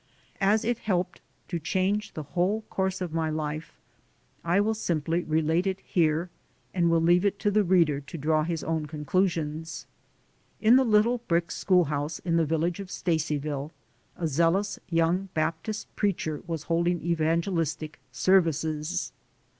As it helped to change the whole course of my life, I will simply relate it here and will leave it to the reader to draw his own conclusions. In the little brick schoolhouse in the village of [133 134 THE SOUL OF AN IMMIGRANT Stacyville, a zealous young Baptist preacher was holding evangelistic services.